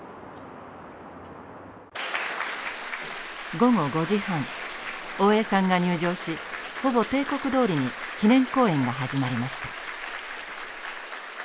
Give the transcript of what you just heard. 午後５時半大江さんが入場しほぼ定刻どおりに記念講演が始まりました。